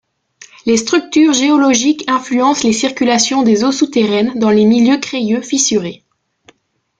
Les structures géologiques influencent les circulations des eaux souterraines dans les milieux crayeux fissurés.